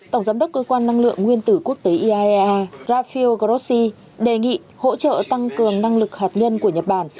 tổng giám đốc cơ quan năng lượng nguyên tử quốc tế iaea rafael grossi đề nghị hỗ trợ tăng cường năng lực hạt nhân của nhật bản